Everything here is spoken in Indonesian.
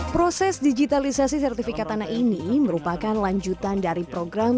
proses digitalisasi sertifikat tanah ini merupakan lanjutan dari program